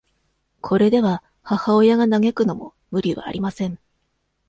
これでは、母親が嘆くのも、無理はありません。